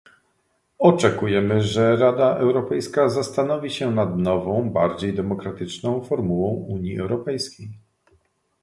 Oczekujemy, że Rada Europejska zastanowi się nad nową, bardziej demokratyczną formułą Unii Europejskiej